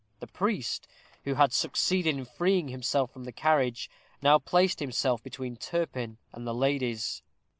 The priest, who had succeeded in freeing himself from the carriage, now placed himself between Turpin and the ladies.